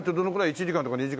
１時間とか２時間？